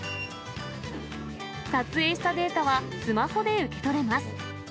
撮影したデータはスマホで受け取れます。